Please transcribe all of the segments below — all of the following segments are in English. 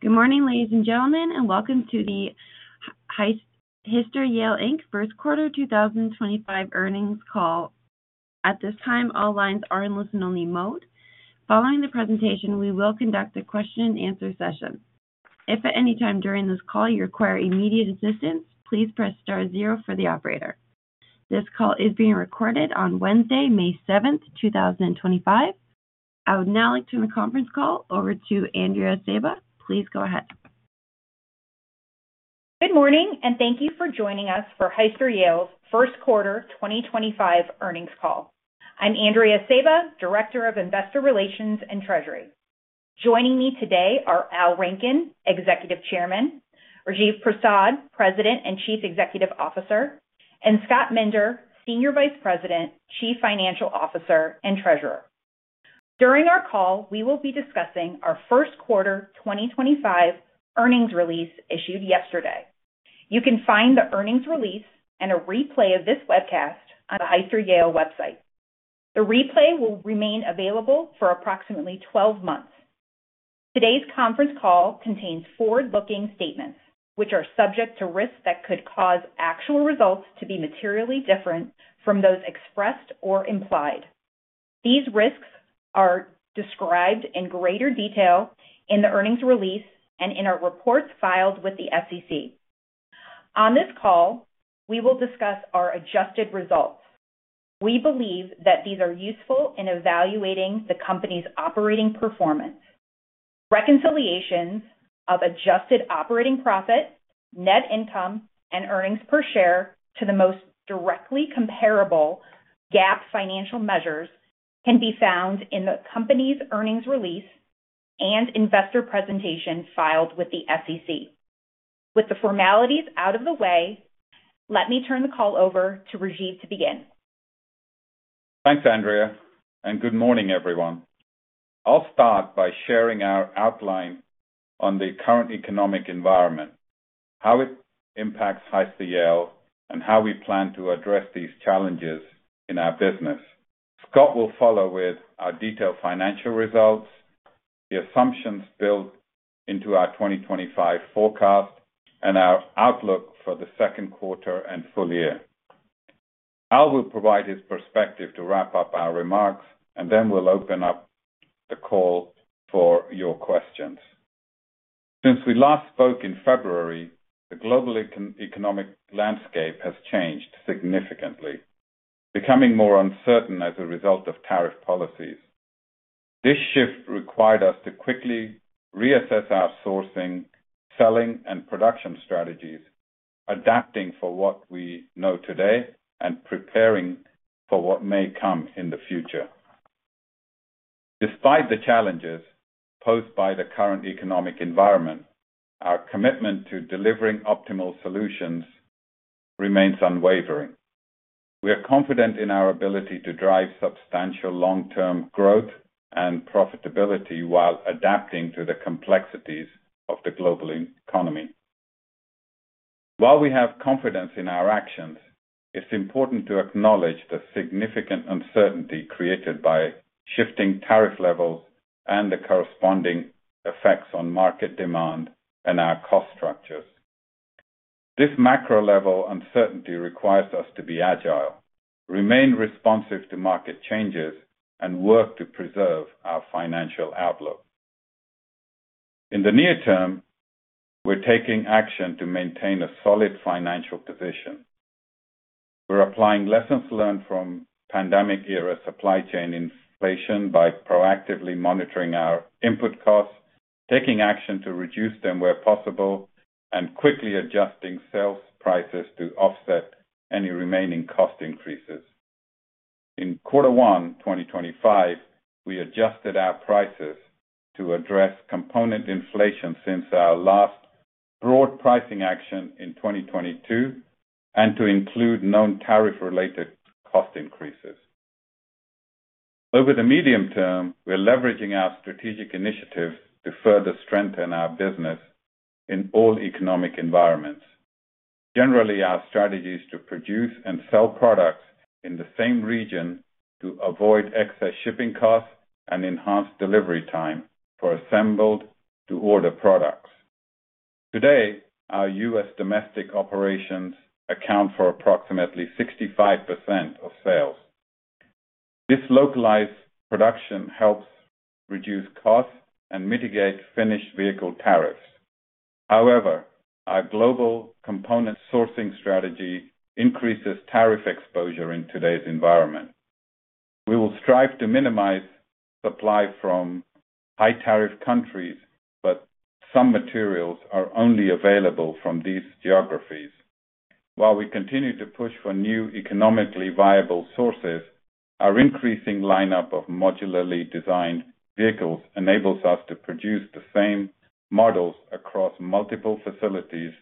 Good morning, ladies and gentlemen, and welcome to the Hyster-Yale Inc First Quarter 2025 Earnings Call. At this time, all lines are in listen-only mode. Following the presentation, we will conduct a question and answer session. If at any time during this call you require immediate assistance, please press star zero for the operator. This call is being recorded on Wednesday, May 7th, 2025. I would now like to turn the conference call over to Andrea Sejba. Please go ahead. Good morning, and thank you for joining us for Hyster-Yale's First Quarter 2025 Earnings Call. I'm Andrea Sejba, Director of Investor Relations and Treasury. Joining me today are Al Rankin, Executive Chairman; Rajiv Prasad, President and Chief Executive Officer; and Scott Minder, Senior Vice President, Chief Financial Officer, and Treasurer. During our call, we will be discussing our first quarter 2025 earnings release issued yesterday. You can find the earnings release and a replay of this webcast on the Hyster-Yale website. The replay will remain available for approximately 12 months. Today's conference call contains forward-looking statements, which are subject to risks that could cause actual results to be materially different from those expressed or implied. These risks are described in greater detail in the earnings release and in our reports filed with the SEC. On this call, we will discuss our adjusted results. We believe that these are useful in evaluating the company's operating performance. Reconciliations of adjusted operating profit, net income, and earnings per share to the most directly comparable GAAP financial measures can be found in the company's earnings release and investor presentation filed with the SEC. With the formalities out of the way, let me turn the call over to Rajiv to begin. Thanks, Andrea, and good morning, everyone. I'll start by sharing our outline on the current economic environment, how it impacts Hyster-Yale, and how we plan to address these challenges in our business. Scott will follow with our detailed financial results, the assumptions built into our 2025 forecast, and our outlook for the second quarter and full year. Al will provide his perspective to wrap up our remarks, and then we'll open up the call for your questions. Since we last spoke in February, the global economic landscape has changed significantly, becoming more uncertain as a result of tariff policies. This shift required us to quickly reassess our sourcing, selling, and production strategies, adapting for what we know today and preparing for what may come in the future. Despite the challenges posed by the current economic environment, our commitment to delivering optimal solutions remains unwavering. We are confident in our ability to drive substantial long-term growth and profitability while adapting to the complexities of the global economy. While we have confidence in our actions, it's important to acknowledge the significant uncertainty created by shifting tariff levels and the corresponding effects on market demand and our cost structures. This macro-level uncertainty requires us to be agile, remain responsive to market changes, and work to preserve our financial outlook. In the near term, we're taking action to maintain a solid financial position. We're applying lessons learned from the pandemic-era supply chain inflation by proactively monitoring our input costs, taking action to reduce them where possible, and quickly adjusting sales prices to offset any remaining cost increases. In quarter one 2025, we adjusted our prices to address component inflation since our last broad pricing action in 2022 and to include known tariff-related cost increases. Over the medium term, we're leveraging our strategic initiatives to further strengthen our business in all economic environments. Generally, our strategy is to produce and sell products in the same region to avoid excess shipping costs and enhance delivery time for assembled-to-order products. Today, our U.S. domestic operations account for approximately 65% of sales. This localized production helps reduce costs and mitigate finished vehicle tariffs. However, our global component sourcing strategy increases tariff exposure in today's environment. We will strive to minimize supply from high-tariff countries, but some materials are only available from these geographies. While we continue to push for new economically viable sources, our increasing lineup of modularly designed vehicles enables us to produce the same models across multiple facilities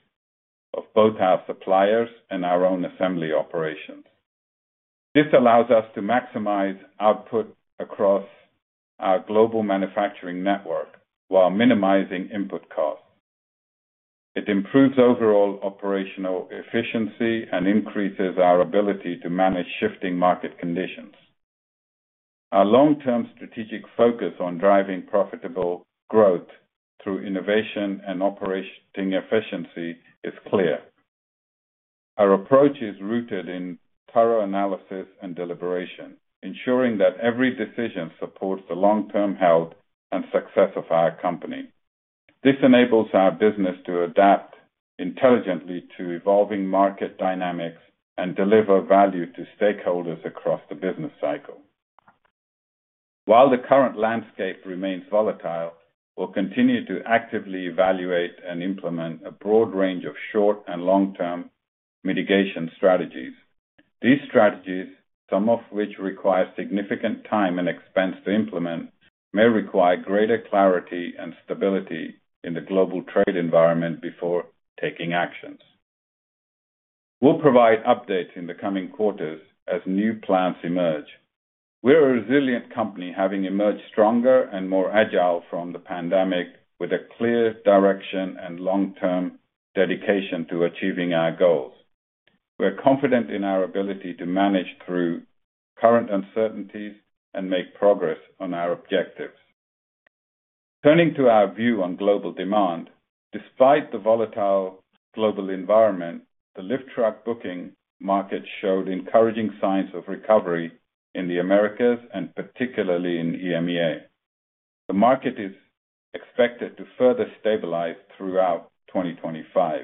of both our suppliers and our own assembly operations. This allows us to maximize output across our global manufacturing network while minimizing input costs. It improves overall operational efficiency and increases our ability to manage shifting market conditions. Our long-term strategic focus on driving profitable growth through innovation and operating efficiency is clear. Our approach is rooted in thorough analysis and deliberation, ensuring that every decision supports the long-term health and success of our company. This enables our business to adapt intelligently to evolving market dynamics and deliver value to stakeholders across the business cycle. While the current landscape remains volatile, we'll continue to actively evaluate and implement a broad range of short and long-term mitigation strategies. These strategies, some of which require significant time and expense to implement, may require greater clarity and stability in the global trade environment before taking actions. We'll provide updates in the coming quarters as new plans emerge. We're a resilient company having emerged stronger and more agile from the pandemic, with a clear direction and long-term dedication to achieving our goals. We're confident in our ability to manage through current uncertainties and make progress on our objectives. Turning to our view on global demand, despite the volatile global environment, the lift truck booking market showed encouraging signs of recovery in the Americas and particularly in EMEA. The market is expected to further stabilize throughout 2025.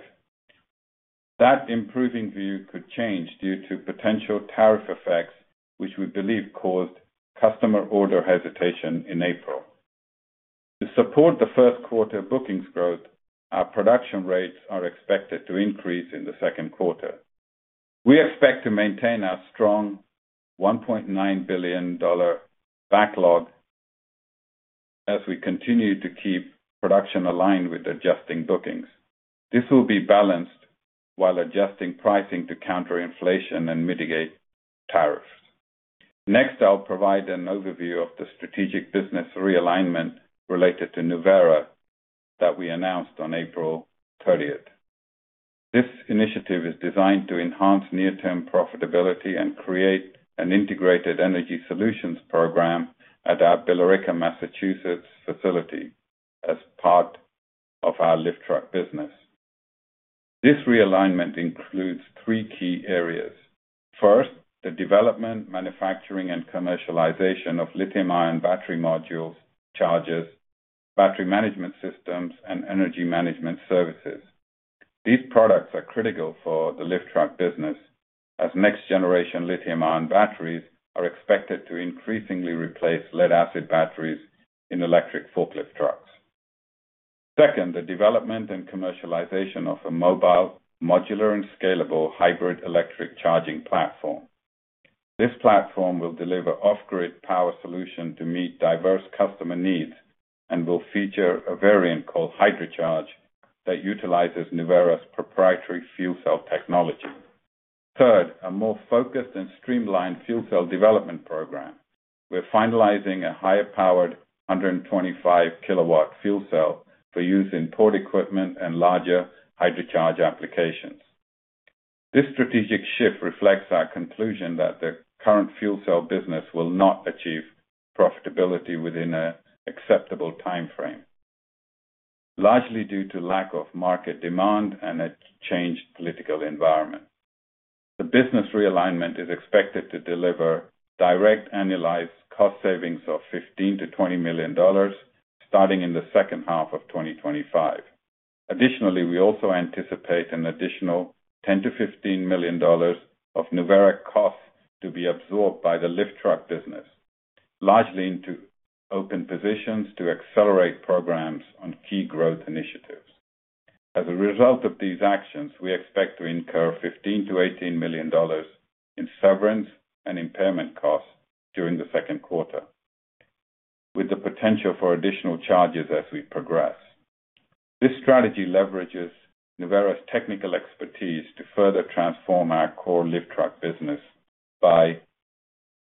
That improving view could change due to potential tariff effects, which we believe caused customer order hesitation in April. To support the first quarter bookings growth, our production rates are expected to increase in the second quarter. We expect to maintain our strong $1.9 billion backlog as we continue to keep production aligned with adjusting bookings. This will be balanced while adjusting pricing to counter inflation and mitigate tariffs. Next, I'll provide an overview of the strategic business realignment related to Nuvera that we announced on April 30th. This initiative is designed to enhance near-term profitability and create an integrated energy solutions program at our Billerica, Massachusetts, facility as part of our lift truck business. This realignment includes three key areas. First, the development, manufacturing, and commercialization of lithium-ion battery modules, chargers, battery management systems, and energy management services. These products are critical for the lift truck business, as next-generation lithium-ion batteries are expected to increasingly replace lead-acid batteries in electric forklift trucks. Second, the development and commercialization of a mobile, modular, and scalable hybrid electric charging platform. This platform will deliver off-grid power solutions to meet diverse customer needs and will feature a variant called HydroCharge that utilizes Nuvera's proprietary fuel cell technology. Third, a more focused and streamlined fuel cell development program. We're finalizing a higher-powered 125 kW fuel cell for use in port equipment and larger HydroCharge applications. This strategic shift reflects our conclusion that the current fuel cell business will not achieve profitability within an acceptable timeframe, largely due to lack of market demand and a changed political environment. The business realignment is expected to deliver direct annualized cost savings of $15 million-$20 million starting in the second half of 2025. Additionally, we also anticipate an additional $10 million-$15 million of Nuvera costs to be absorbed by the lift truck business, largely into open positions to accelerate programs on key growth initiatives. As a result of these actions, we expect to incur $15 million-$18 million in severance and impairment costs during the second quarter, with the potential for additional charges as we progress. This strategy leverages Nuvera's technical expertise to further transform our core lift truck business by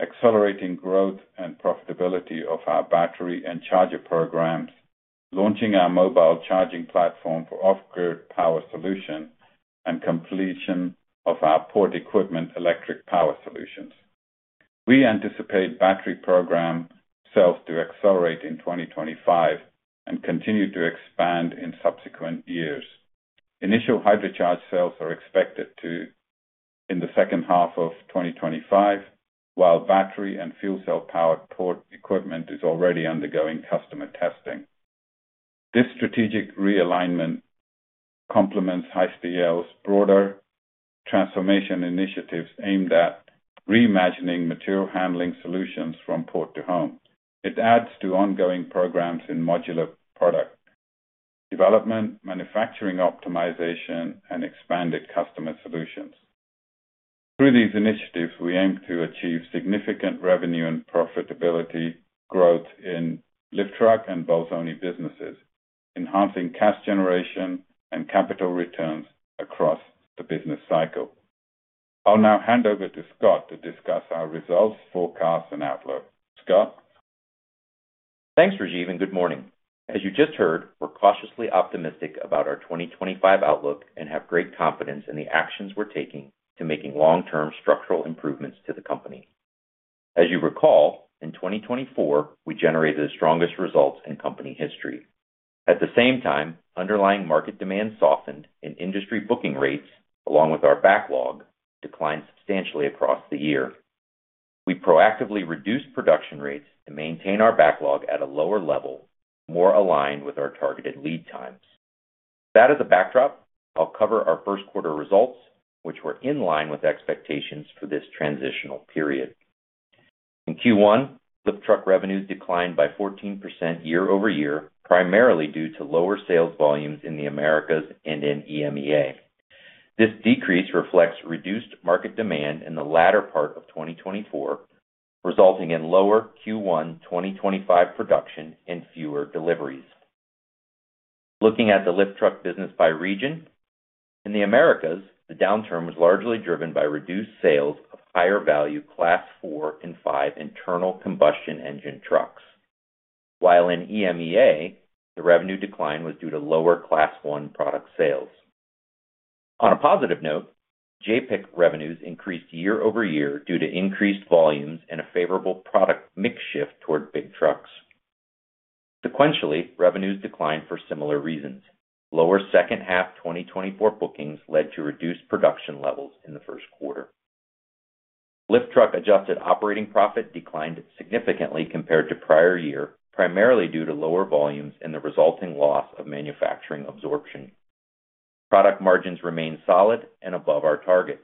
accelerating growth and profitability of our battery and charger programs, launching our mobile charging platform for off-grid power solutions, and completion of our port equipment electric power solutions. We anticipate battery program sales to accelerate in 2025 and continue to expand in subsequent years. Initial HydroCharge sales are expected in the second half of 2025, while battery and fuel cell-powered port equipment is already undergoing customer testing. This strategic realignment complements Hyster-Yale's broader transformation initiatives aimed at reimagining material handling solutions from port to home. It adds to ongoing programs in modular product development, manufacturing optimization, and expanded customer solutions. Through these initiatives, we aim to achieve significant revenue and profitability growth in lift truck and bolt-only businesses, enhancing cash generation and capital returns across the business cycle. I'll now hand over to Scott to discuss our results, forecasts, and outlook. Scott? Thanks, Rajiv, and good morning. As you just heard, we're cautiously optimistic about our 2025 outlook and have great confidence in the actions we're taking to make long-term structural improvements to the company. As you recall, in 2024, we generated the strongest results in company history. At the same time, underlying market demand softened, and industry booking rates, along with our backlog, declined substantially across the year. We proactively reduced production rates to maintain our backlog at a lower level, more aligned with our targeted lead times. With that as a backdrop, I'll cover our first quarter results, which were in line with expectations for this transitional period. In Q1, lift truck revenues declined by 14% YoY, primarily due to lower sales volumes in the Americas and in EMEA. This decrease reflects reduced market demand in the latter part of 2024, resulting in lower Q1 2025 production and fewer deliveries. Looking at the lift truck business by region, in the Americas, the downturn was largely driven by reduced sales of higher-value Class IV and V internal combustion engine trucks, while in EMEA, the revenue decline was due to lower Class I product sales. On a positive note, JPEC revenues increased year over year due to increased volumes and a favorable product mix shift toward big trucks. Sequentially, revenues declined for similar reasons. Lower second-half 2024 bookings led to reduced production levels in the first quarter. Lift truck adjusted operating profit declined significantly compared to prior year, primarily due to lower volumes and the resulting loss of manufacturing absorption. Product margins remained solid and above our targets.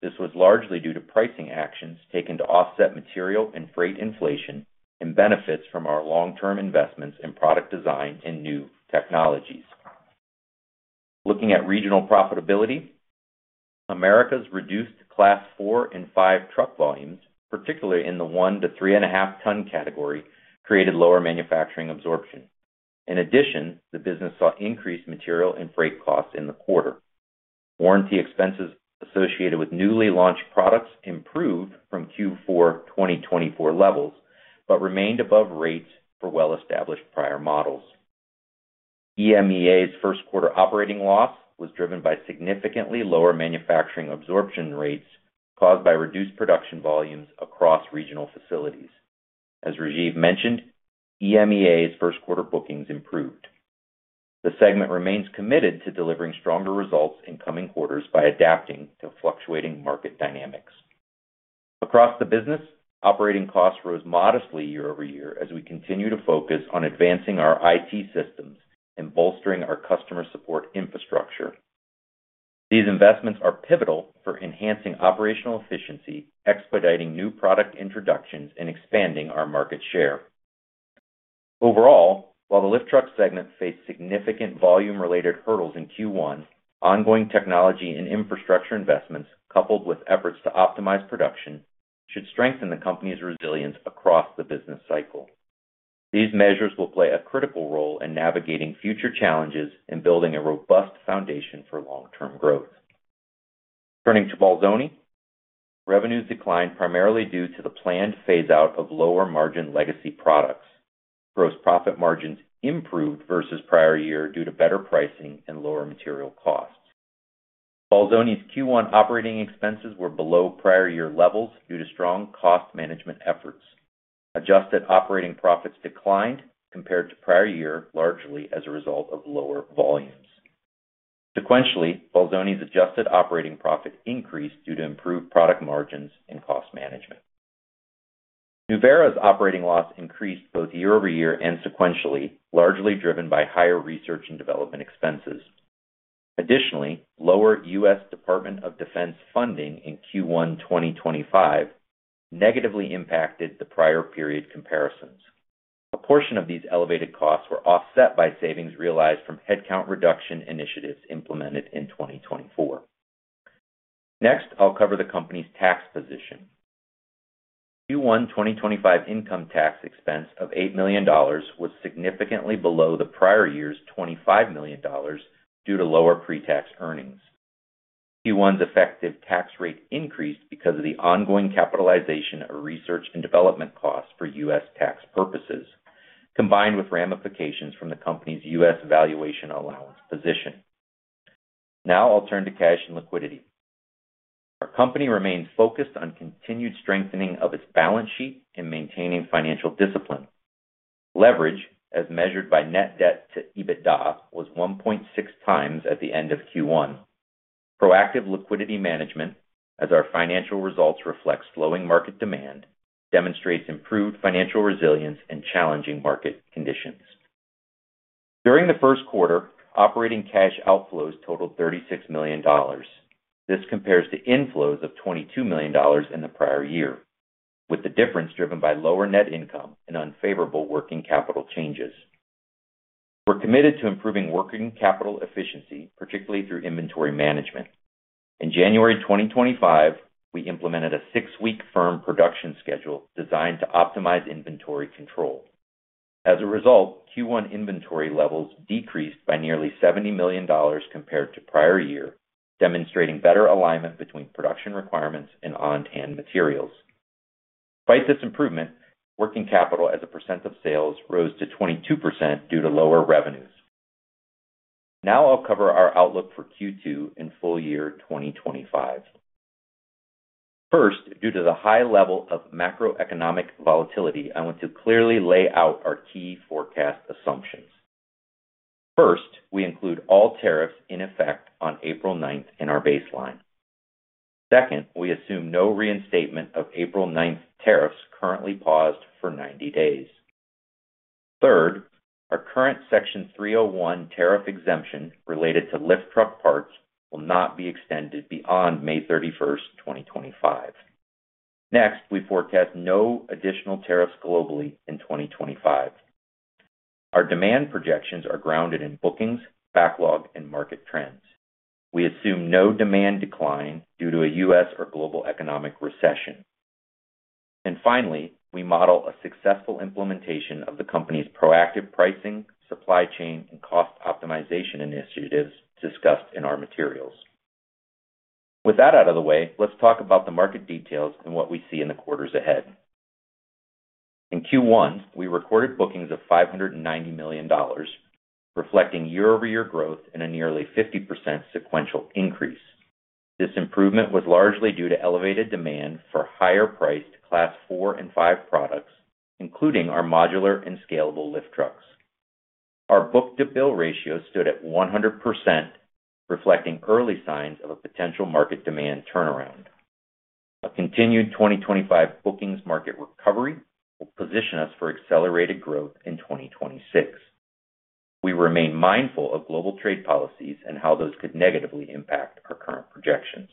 This was largely due to pricing actions taken to offset material and freight inflation and benefits from our long-term investments in product design and new technologies. Looking at regional profitability, Americas reduced Class IV and V truck volumes, particularly in the 1 to 3.5 ton category, created lower manufacturing absorption. In addition, the business saw increased material and freight costs in the quarter. Warranty expenses associated with newly launched products improved from Q4 2024 levels but remained above rates for well-established prior models. EMEA's first quarter operating loss was driven by significantly lower manufacturing absorption rates caused by reduced production volumes across regional facilities. As Rajiv mentioned, EMEA's first quarter bookings improved. The segment remains committed to delivering stronger results in coming quarters by adapting to fluctuating market dynamics. Across the business, operating costs rose modestly year over year as we continue to focus on advancing our IT systems and bolstering our customer support infrastructure. These investments are pivotal for enhancing operational efficiency, expediting new product introductions, and expanding our market share. Overall, while the lift truck segment faced significant volume-related hurdles in Q1, ongoing technology and infrastructure investments, coupled with efforts to optimize production, should strengthen the company's resilience across the business cycle. These measures will play a critical role in navigating future challenges and building a robust foundation for long-term growth. Turning to Bolzoni, revenues declined primarily due to the planned phase-out of lower-margin legacy products. Gross profit margins improved versus prior year due to better pricing and lower material costs. Bolzoni's Q1 operating expenses were below prior year levels due to strong cost management efforts. Adjusted operating profits declined compared to prior year, largely as a result of lower volumes. Sequentially, Bolzoni's adjusted operating profit increased due to improved product margins and cost management. Nuvera's operating loss increased both year over year and sequentially, largely driven by higher research and development expenses. Additionally, lower U.S. Department of Defense funding in Q1 2025 negatively impacted the prior period comparisons. A portion of these elevated costs were offset by savings realized from headcount reduction initiatives implemented in 2024. Next, I'll cover the company's tax position. Q1 2025 income tax expense of $8 million was significantly below the prior year's $25 million due to lower pre-tax earnings. Q1's effective tax rate increased because of the ongoing capitalization of research and development costs for U.S. tax purposes, combined with ramifications from the company's U.S. valuation allowance position. Now I'll turn to cash and liquidity. Our company remains focused on continued strengthening of its balance sheet and maintaining financial discipline. Leverage, as measured by net debt to EBITDA, was 1.6 times at the end of Q1. Proactive liquidity management, as our financial results reflect slowing market demand, demonstrates improved financial resilience in challenging market conditions. During the first quarter, operating cash outflows totaled $36 million. This compares to inflows of $22 million in the prior year, with the difference driven by lower net income and unfavorable working capital changes. We're committed to improving working capital efficiency, particularly through inventory management. In January 2025, we implemented a six-week firm production schedule designed to optimize inventory control. As a result, Q1 inventory levels decreased by nearly $70 million compared to prior year, demonstrating better alignment between production requirements and on-demand materials. Despite this improvement, working capital as a percent of sales rose to 22% due to lower revenues. Now I'll cover our outlook for Q2 and full year 2025. First, due to the high level of macroeconomic volatility, I want to clearly lay out our key forecast assumptions. First, we include all tariffs in effect on April 9th in our baseline. Second, we assume no reinstatement of April 9th tariffs currently paused for 90 days. Third, our current Section 301 tariff exemption related to lift truck parts will not be extended beyond May 31st, 2025. Next, we forecast no additional tariffs globally in 2025. Our demand projections are grounded in bookings, backlog, and market trends. We assume no demand decline due to a U.S. or global economic recession. Finally, we model a successful implementation of the company's proactive pricing, supply chain, and cost optimization initiatives discussed in our materials. With that out of the way, let's talk about the market details and what we see in the quarters ahead. In Q1, we recorded bookings of $590 million, reflecting YoY growth and a nearly 50% sequential increase. This improvement was largely due to elevated demand for higher-priced Class IV and V products, including our modular and scalable lift trucks. Our book-to-bill ratio stood at 100%, reflecting early signs of a potential market demand turnaround. A continued 2025 bookings market recovery will position us for accelerated growth in 2026. We remain mindful of global trade policies and how those could negatively impact our current projections.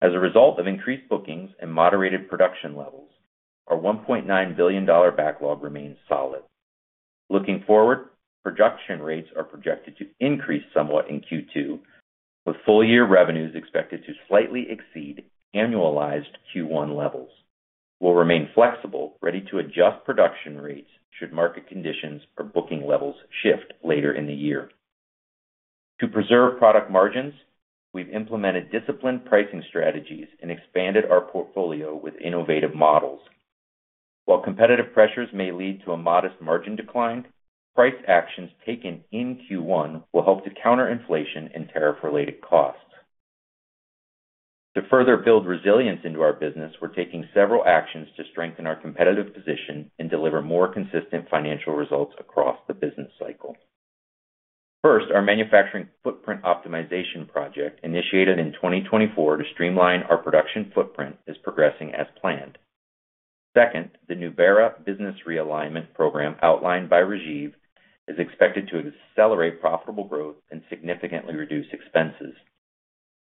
As a result of increased bookings and moderated production levels, our $1.9 billion backlog remains solid. Looking forward, production rates are projected to increase somewhat in Q2, with full-year revenues expected to slightly exceed annualized Q1 levels. We'll remain flexible, ready to adjust production rates should market conditions or booking levels shift later in the year. To preserve product margins, we've implemented disciplined pricing strategies and expanded our portfolio with innovative models. While competitive pressures may lead to a modest margin decline, price actions taken in Q1 will help to counter inflation and tariff-related costs. To further build resilience into our business, we're taking several actions to strengthen our competitive position and deliver more consistent financial results across the business cycle. First, our manufacturing footprint optimization project initiated in 2024 to streamline our production footprint is progressing as planned. Second, the Nuvera business realignment program outlined by Rajiv is expected to accelerate profitable growth and significantly reduce expenses.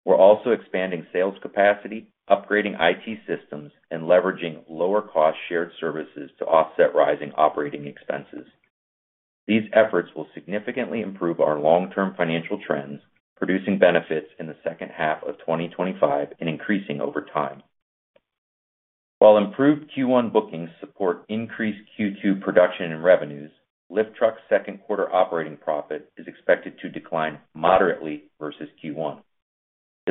We're also expanding sales capacity, upgrading IT systems, and leveraging lower-cost shared services to offset rising operating expenses. These efforts will significantly improve our long-term financial trends, producing benefits in the second half of 2025 and increasing over time. While improved Q1 bookings support increased Q2 production and revenues, lift truck second-quarter operating profit is expected to decline moderately versus Q1.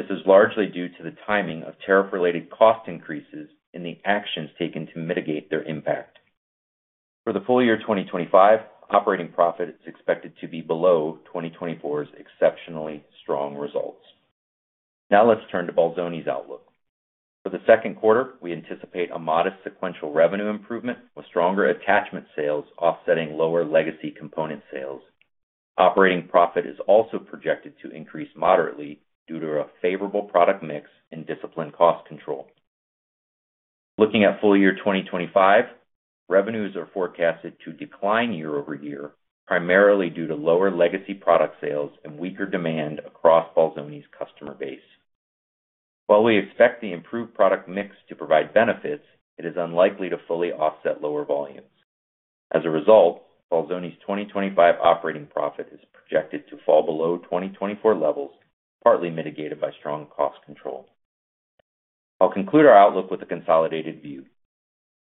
This is largely due to the timing of tariff-related cost increases and the actions taken to mitigate their impact. For the full year 2025, operating profit is expected to be below 2024's exceptionally strong results. Now let's turn to Bolzoni's outlook. For the second quarter, we anticipate a modest sequential revenue improvement with stronger attachment sales offsetting lower legacy component sales. Operating profit is also projected to increase moderately due to a favorable product mix and disciplined cost control. Looking at full year 2025, revenues are forecasted to decline YoY, primarily due to lower legacy product sales and weaker demand across Bolzoni's customer base. While we expect the improved product mix to provide benefits, it is unlikely to fully offset lower volumes. As a result, Bolzoni's 2025 operating profit is projected to fall below 2024 levels, partly mitigated by strong cost control. I'll conclude our outlook with a consolidated view.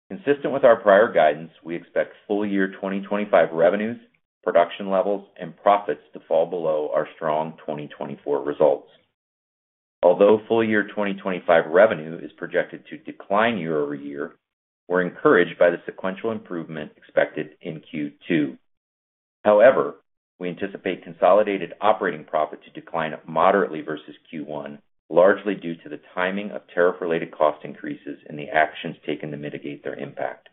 Consistent with our prior guidance, we expect full year 2025 revenues, production levels, and profits to fall below our strong 2024 results. Although full year 2025 revenue is projected to decline YoY, we're encouraged by the sequential improvement expected in Q2. However, we anticipate consolidated operating profit to decline moderately versus Q1, largely due to the timing of tariff-related cost increases and the actions taken to mitigate their impact.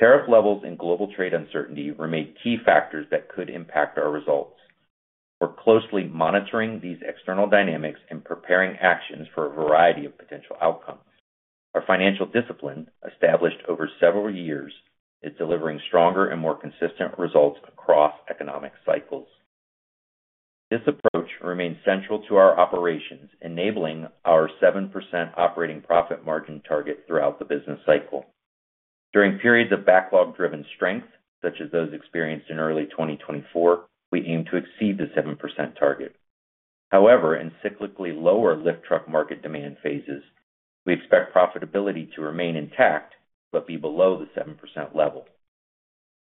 Tariff levels and global trade uncertainty remain key factors that could impact our results. We're closely monitoring these external dynamics and preparing actions for a variety of potential outcomes. Our financial discipline, established over several years, is delivering stronger and more consistent results across economic cycles. This approach remains central to our operations, enabling our 7% operating profit margin target throughout the business cycle. During periods of backlog-driven strength, such as those experienced in early 2024, we aim to exceed the 7% target. However, in cyclically lower lift truck market demand phases, we expect profitability to remain intact but be below the 7% level.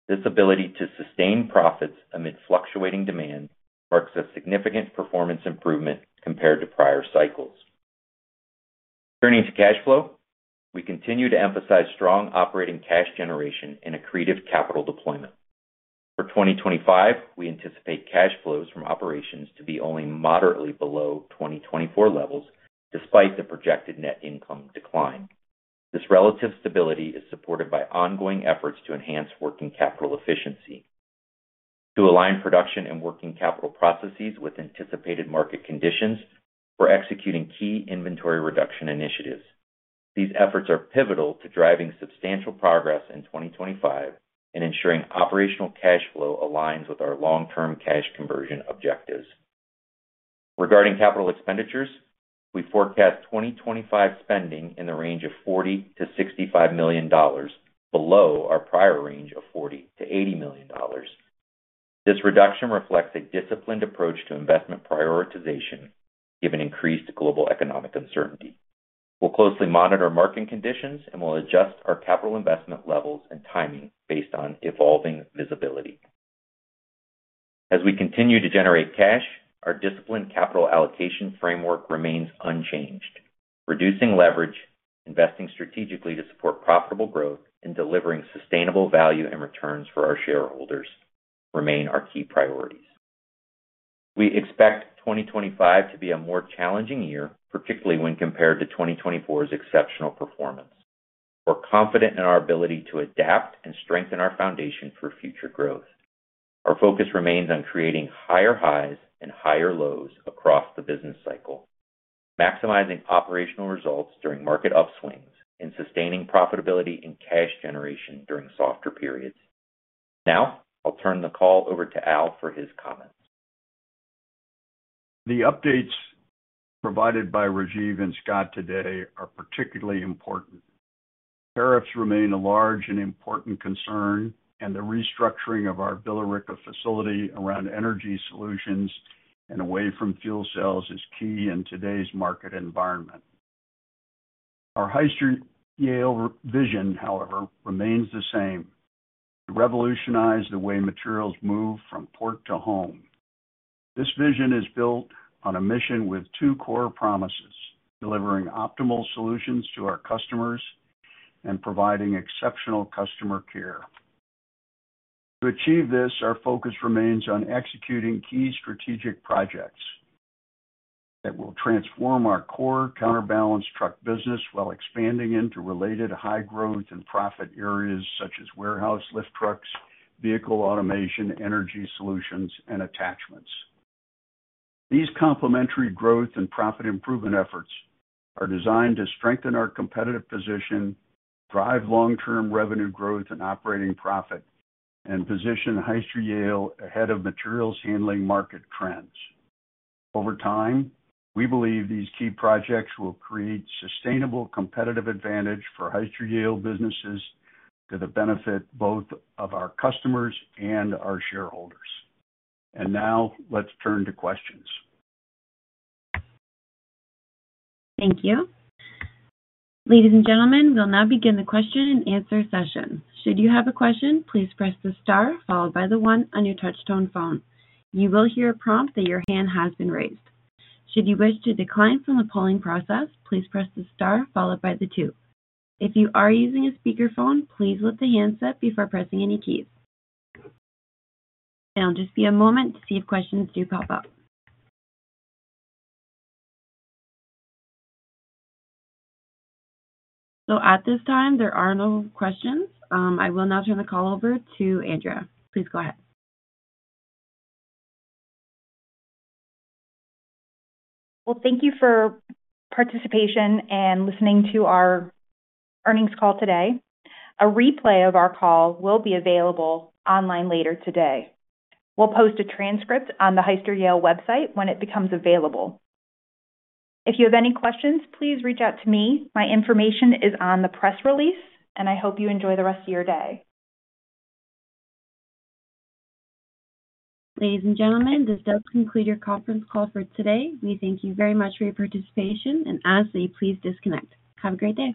This ability to sustain profits amid fluctuating demand marks a significant performance improvement compared to prior cycles. Turning to cash flow, we continue to emphasize strong operating cash generation and accretive capital deployment. For 2025, we anticipate cash flows from operations to be only moderately below 2024 levels, despite the projected net income decline. This relative stability is supported by ongoing efforts to enhance working capital efficiency. To align production and working capital processes with anticipated market conditions, we're executing key inventory reduction initiatives. These efforts are pivotal to driving substantial progress in 2025 and ensuring operational cash flow aligns with our long-term cash conversion objectives. Regarding capital expenditures, we forecast 2025 spending in the range of $40 million-$65 million below our prior range of $40 million-$80 million. This reduction reflects a disciplined approach to investment prioritization, given increased global economic uncertainty. We'll closely monitor market conditions and will adjust our capital investment levels and timing based on evolving visibility. As we continue to generate cash, our disciplined capital allocation framework remains unchanged. Reducing leverage, investing strategically to support profitable growth, and delivering sustainable value and returns for our shareholders remain our key priorities. We expect 2025 to be a more challenging year, particularly when compared to 2024's exceptional performance. We're confident in our ability to adapt and strengthen our foundation for future growth. Our focus remains on creating higher highs and higher lows across the business cycle, maximizing operational results during market upswings and sustaining profitability in cash generation during softer periods. Now I'll turn the call over to Al for his comments. The updates provided by Rajiv and Scott today are particularly important. Tariffs remain a large and important concern, and the restructuring of our Billerica facility around energy solutions and away from fuel cells is key in today's market environment. Our Hyster-Yale vision, however, remains the same: to revolutionize the way materials move from port to home. This vision is built on a mission with two core promises: delivering optimal solutions to our customers and providing exceptional customer care. To achieve this, our focus remains on executing key strategic projects that will transform our core counterbalance truck business while expanding into related high-growth and profit areas such as warehouse lift trucks, vehicle automation, energy solutions, and attachments. These complementary growth and profit improvement efforts are designed to strengthen our competitive position, drive long-term revenue growth and operating profit, and position Hyster-Yale ahead of materials handling market trends. Over time, we believe these key projects will create sustainable competitive advantage for Hyster-Yale businesses to the benefit both of our customers and our shareholders. Now let's turn to questions. Thank you. Ladies and gentlemen, we'll now begin the question and answer session. Should you have a question, please press the star followed by the one on your touch-tone phone. You will hear a prompt that your hand has been raised. Should you wish to decline from the polling process, please press the star followed by the two. If you are using a speakerphone, please let the hands up before pressing any keys. It will just be a moment to see if questions do pop up. At this time, there are no questions. I will now turn the call over to Andrea. Please go ahead. Thank you for participating and listening to our earnings call today. A replay of our call will be available online later today. We will post a transcript on the Hyster-Yale website when it becomes available. If you have any questions, please reach out to me. My information is on the press release, and I hope you enjoy the rest of your day. Ladies and gentlemen, this does conclude your conference call for today. We thank you very much for your participation, and ask that you please disconnect. Have a great day.